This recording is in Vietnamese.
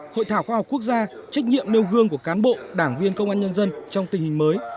hội thảo khoa học quốc gia trách nhiệm nêu gương của cán bộ đảng viên công an nhân dân trong tình hình mới